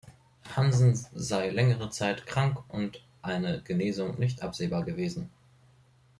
Hansen sei längere Zeit krank und eine Genesung nicht absehbar gewesen.